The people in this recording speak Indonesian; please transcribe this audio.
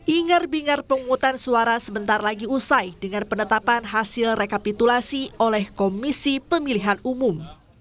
ingar bingar penghutang suara sebentar lagi usai dengan penetapan hasil rekapitulasi oleh komisi pemilihan umum